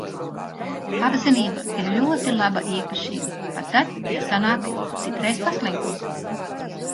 Apzinība ir ļoti laba īpašība pat tad, ja sanāk citreiz paslinkot.